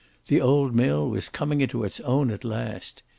The old mill was coming into its own at last.